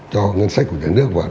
cho ngân sách của nhà nước và